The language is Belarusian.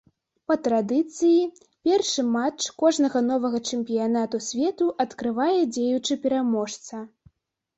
Па традыцыі, першы матч кожнага новага чэмпіянату свету адкрывае дзеючы пераможца.